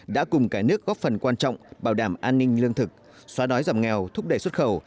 đã cùng cả nước góp phần quan trọng bảo đảm an ninh lương thực xóa đói giảm nghèo thúc đẩy xuất khẩu